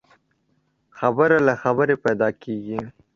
خبره له خبري پيدا کېږي.